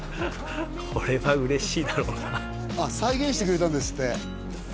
これは嬉しいだろうな再現してくれたんですって